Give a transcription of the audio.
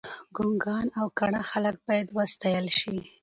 ګنګان او کاڼه خلګ باید وستایل شي.